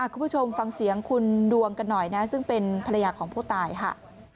คุณผู้ชมฟังเสียงคุณดวงกันหน่อยนะซึ่งเป็นภรรยาของผู้ตายค่ะ